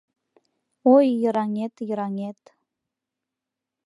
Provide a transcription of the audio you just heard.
Ой, йыраҥет, йыраҥет